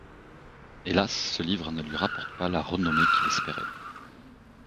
Hélas, ce livre ne lui rapporte pas la renommée qu'il espérait.